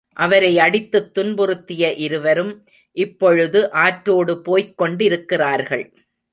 அவரை அடித்துத் துன்புறுத்திய இருவரும், இப்பொழுது ஆற்றோடு போய்க் கொண்டிருக்கிறார்கள்.